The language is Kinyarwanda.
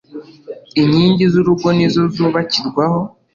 inkingi zurugo nizo zubakirwaho